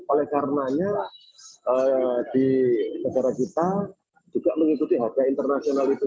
oleh karenanya di negara kita juga mengikuti harga internasional itu